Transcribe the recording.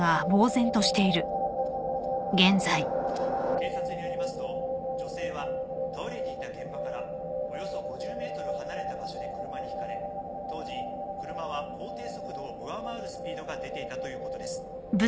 警察によりますと女性は倒れていた現場からおよそ５０ｍ離れた場所で車にひかれ当時車は法定速度を上回るスピードが出ていたということです。